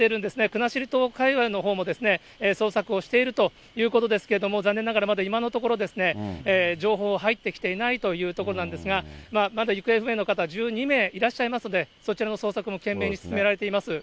国後島界わいのほうも捜索をしているということですけれども、残念ながらまだ今のところ、情報入ってきていないというところなんですが、まだ行方不明の方１２名いらっしゃいますので、そちらの捜索も懸命に進められています。